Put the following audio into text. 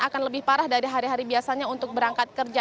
akan lebih parah dari hari hari biasanya untuk berangkat kerja